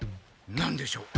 何でしょう？